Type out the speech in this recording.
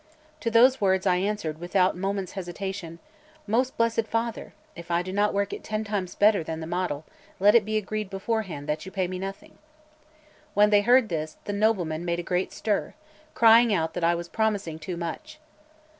To those words I answered without moment's hesitation: "Most blessed Father, if I do not work it ten times better than the model, let it be agreed beforehand that you pay me nothing." When they heard this, the noblemen made a great stir, crying out that I was promising too much.